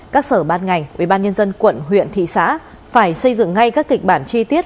các sở ban ngành ubnd quận huyện thị xã phải xây dựng ngay các kịch bản chi tiết